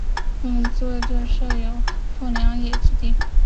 日本陆上自卫队在此设有上富良野基地。